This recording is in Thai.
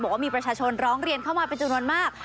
บอกว่ามีประชาชนร้องเรียนเข้ามาเป็นจำนวนมาก